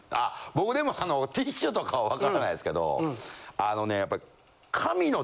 僕でもティッシュとかはわからないですけどあのねやっぱり。